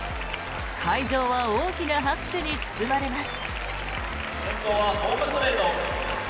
会場は大きな拍手に包まれます。